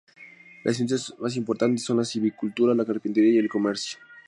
Las industrias más importantes son la silvicultura, la carpintería y el comercio.